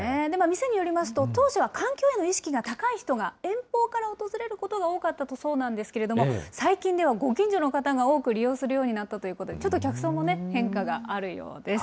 店によりますと、当初は環境への意識が高い人が遠方から訪れることが多かったそうなんですけれども、最近ではご近所の方が多く利用するようになったということで、ちょっと客層も変化があるようです。